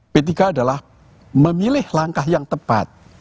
p tiga adalah memilih langkah yang tepat